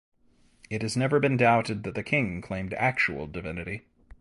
It has never been doubted that the king claimed actual divinity.